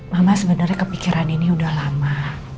mama sebenarnya kepikiran ini udah lama